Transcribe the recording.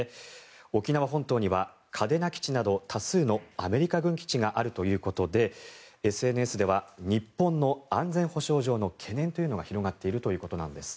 沖縄本島には嘉手納基地など多数のアメリカ軍基地があるということでＳＮＳでは、日本の安全保障上の懸念というのが広がっているということなんです。